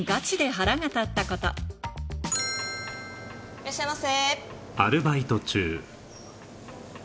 いらっしゃいませ。